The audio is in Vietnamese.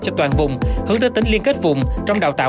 cho toàn vùng hướng tới tính liên kết vùng trong đào tạo